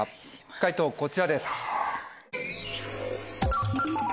解答こちらです。